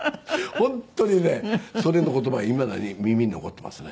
本当にねそれの言葉がいまだに耳に残ってますね。